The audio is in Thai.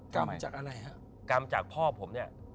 กรรมจากพ่อผมเนี่ย